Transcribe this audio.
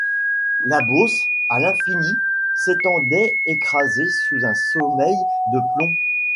La Beauce, à l’infini, s’étendait, écrasée sous un sommeil de plomb.